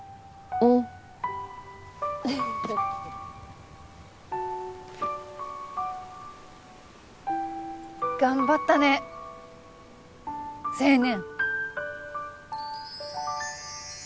うん。頑張ったね青年。